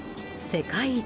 世界一